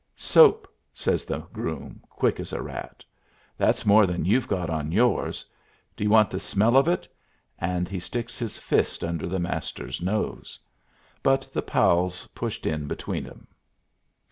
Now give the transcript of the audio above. "Soap!" says the groom, quick as a rat. "That's more than you've got on yours. Do you want to smell of it?" and he sticks his fist under the Master's nose. But the pals pushed in between 'em.